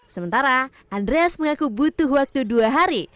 sementara andreas mengaku butuh waktu dua hari